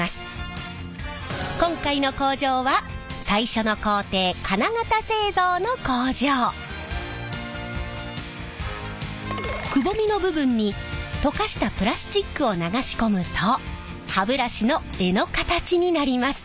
今回の工場は最初の工程くぼみの部分に溶かしたプラスチックを流し込むと歯ブラシの柄の形になります。